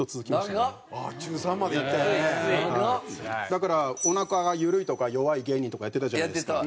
だからおなかが緩いとか弱い芸人とかやってたじゃないですか。